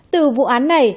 từ vụ án này